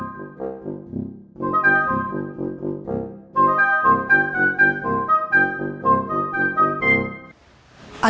ada urusan apa